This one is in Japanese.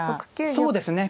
そうですね。